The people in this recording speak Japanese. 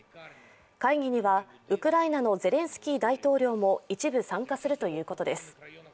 会議にはウクライナのゼレンスキー大統領も一部、参加するということです。